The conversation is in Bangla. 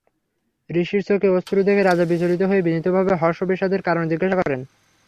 ঋষির চোখে অশ্রু দেখে রাজা বিচলিত হয়ে বিনীতভাবে হর্ষ-বিষাদের কারণ জিজ্ঞাসা করেন।